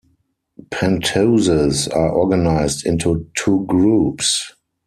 Pentoses are organized into two groups.